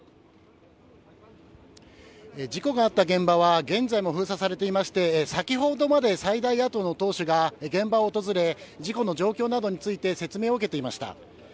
事故があった現場は、現在も封鎖されていまして、先ほどまで最大野党の党首が現場を訪れ、事故の状況などについて説明を受けていました。